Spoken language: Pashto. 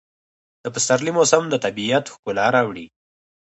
د پسرلي موسم د طبیعت ښکلا راوړي.